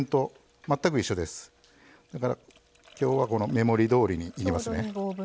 だからきょうはこの目盛りどおりに入れますね。